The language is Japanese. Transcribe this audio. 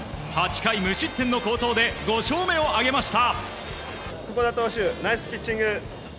８回無失点の好投で５勝目を挙げました。